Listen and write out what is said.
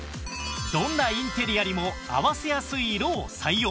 どんなインテリアにも合わせやすい色を採用